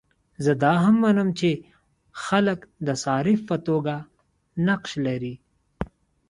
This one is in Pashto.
زه دا منم چې خلک د صارف په توګه نقش لري.